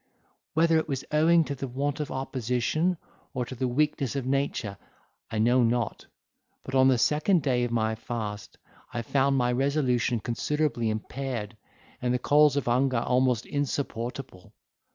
'Whether it was owing to the want of opposition, or to the weakness of nature, I know not; but on the second day of my fast, I found my resolution considerably impaired, and the calls of hunger almost insupportable.